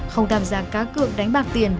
không đàm giang cá cượng đánh bạc tiền